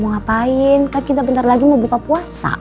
mau ngapain kan kita bentar lagi mau buka puasa